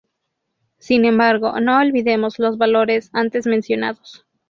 Sin embargo, no olvidemos los valores antes mencionados.